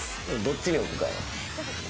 どっちに置くか。